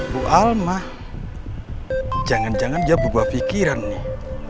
bu alma jangan jangan dia berubah pikiran nih